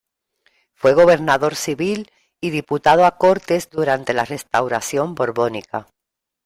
Fue gobernador civil y diputado a Cortes durante la Restauración borbónica.